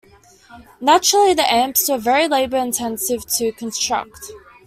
Naturally, the amps were very labor intensive to construct.